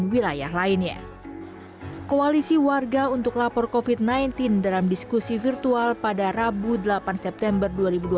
di wilayah lainnya koalisi warga untuk lapor kofit sembilan belas dalam diskusi virtual pada rabu delapan september